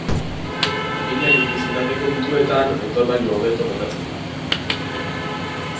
Hargina elektrizitate kontuetan Aitor baino hobeto moldatzen da.